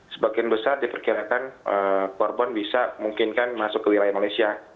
sebagian besar diperkirakan korban bisa mungkinkan masuk ke wilayah malaysia